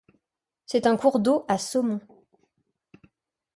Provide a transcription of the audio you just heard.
C'est un cours d'eau à saumons.